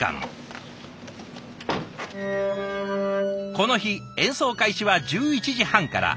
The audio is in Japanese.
この日演奏開始は１１時半から。